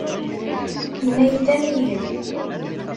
Yenna-iyi-d amihi!